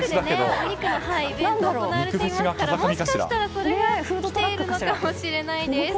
お肉のイベントが行われているのでもしかしたら、それが来ているのかもしれません。